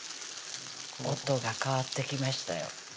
音が変わってきましたよ